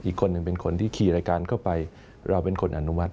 อีกคนหนึ่งเป็นคนที่ขี่รายการเข้าไปเราเป็นคนอนุมัติ